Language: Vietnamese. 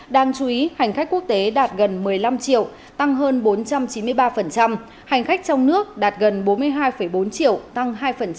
đáng chú ý hành khách quốc tế đạt gần một mươi năm triệu tăng hơn bốn trăm chín mươi ba hành khách trong nước đạt gần bốn mươi hai bốn triệu tăng hai